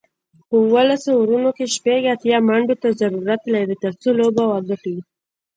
په اوولس اورونو کې شپږ اتیا منډو ته ضرورت لري، ترڅو لوبه وګټي